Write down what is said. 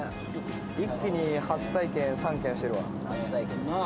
一気に初体験３県してるわ。なあ。